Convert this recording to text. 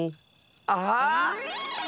あっ！